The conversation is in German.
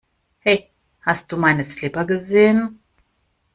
Hey, hast du meine Slipper gesehen?